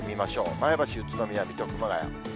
前橋、宇都宮、水戸、熊谷。